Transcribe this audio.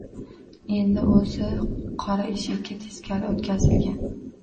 Endi o‘zi qora eshakka teskari o‘tqazilgan.